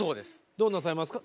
「どうなさいますか？」